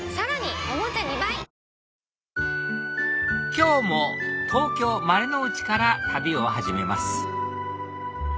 今日も東京・丸の内から旅を始めます